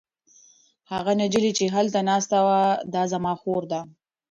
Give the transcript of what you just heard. هغه نجلۍ چې هلته ناسته ده زما خور ده.